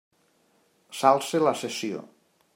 S'alça la sessió.